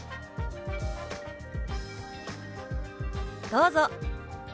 どうぞ！